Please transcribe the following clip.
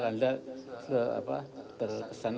karena saya tadi sudah benar benar berdengar beberapa